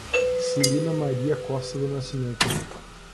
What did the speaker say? Celina Maria Costa do Nascimento